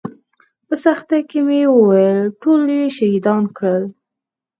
په سختۍ سره مې وويل ټول يې شهيدان کړل.